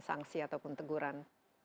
sanksi ataupun teguran